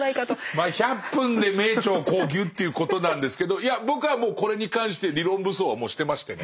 まあ１００分で名著をこうギュッていうことなんですけどいや僕はもうこれに関して理論武装はもうしてましてね。